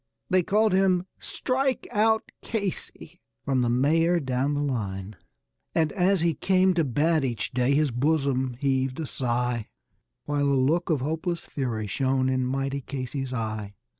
They called him "Strike out Casey" from the mayor down the line. And as he came to bat each day his bosom heaved a sigh, While a look of hopeless fury shone in mighty Casey's eye.